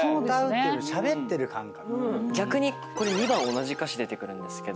逆にこれ２番同じ歌詞出てくるんですけど。